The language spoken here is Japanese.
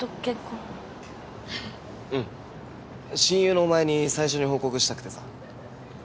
親友のお前に最初に報告したくてさ。